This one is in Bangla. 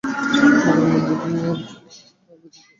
ভোগের মধ্য দিয়াই কালে যোগ আসিবে।